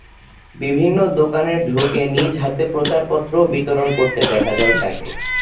বিভিন্ন দোকানে ঢুকে নিজ হাতে প্রচারপত্রও বিতরণ করতে দেখা যায় তাঁকে।